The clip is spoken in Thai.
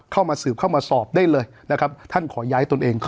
เข้ามาสืบเข้ามาสอบได้เลยนะครับท่านขอย้ายตนเอง